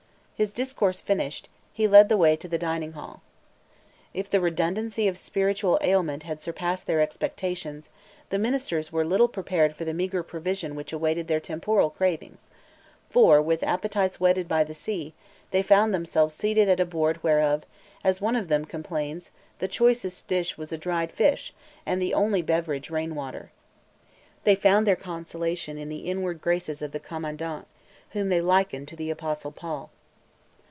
His discourse finished, he led the way to the dining hall. If the redundancy of spiritual aliment had surpassed their expectations, the ministers were little prepared for the meagre provision which awaited their temporal cravings; for, with appetites whetted by the sea, they found themselves seated at a board whereof, as one of them complains the choicest dish was a dried fish, and the only beverage rain water. They found their consolation in the inward graces of the commandant, whom they likened to the Apostle Paul.